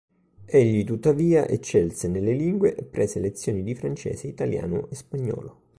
Egli, tuttavia, eccelse nelle lingue e prese lezioni di francese, italiano e spagnolo.